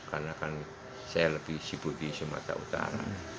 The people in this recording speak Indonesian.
karena kan saya lebih sibuk di sumatera utara